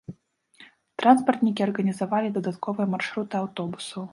Транспартнікі арганізавалі дадатковыя маршруты аўтобусаў.